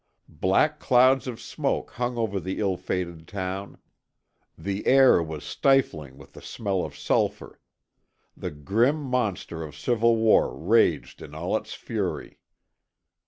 Black clouds of smoke hung over the ill fated town; the air was stifling with the smell of sulphur. The grim monster of civil war raged in all its fury.